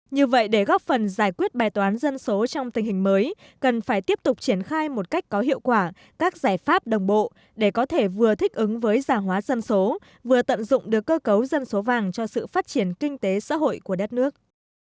như vậy để góp phần giải quyết bài toán dân số trong tình hình mới cần phải tiếp tục triển khai một cách có hiệu quả các giải pháp đồng bộ để có thể vừa thích ứng với gia hóa dân số vừa tận dụng được cơ cấu dân số vàng cho sự phát triển kinh tế xã hội của đất nước